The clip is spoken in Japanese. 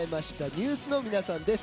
ＮＥＷＳの皆さんです。